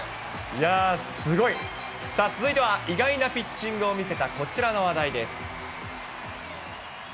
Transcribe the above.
いやー、すごい。さあ、続いては意外なピッチングを見せたこちらの話題です。